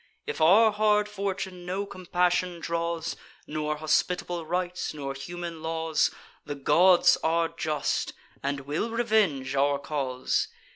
If our hard fortune no compassion draws, Nor hospitable rights, nor human laws, The gods are just, and will revenge our cause.